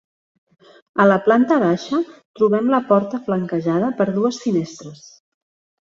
A la planta baixa trobem la porta flanquejada per dues finestres.